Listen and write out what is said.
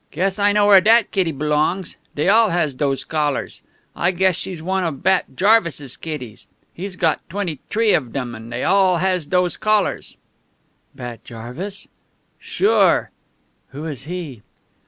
"Guess I know where dat kitty belongs. Dey all has dose collars. I guess she's one of Bat Jarvis's kitties. He's got twenty t'ree of dem, and dey all has dose collars." "Bat Jarvis?" "Sure." "Who is he?"